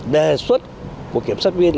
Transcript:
đề xuất của kiểm soát viên